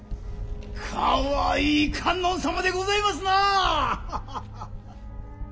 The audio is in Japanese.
かわいい観音様でございますな。